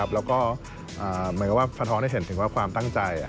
แล้วก็เหมือนกับว่าสะท้อนให้เห็นถึงว่าความตั้งใจ